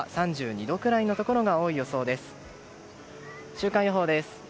週間予報です。